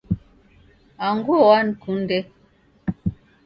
Anguo wankunde.